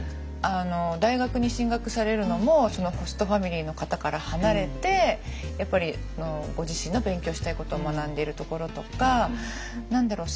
大学に進学されるのもそのホストファミリーの方から離れてやっぱりご自身の勉強したいことを学んでるところとか何だろう